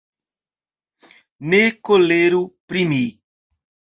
Ne koleru pri mi.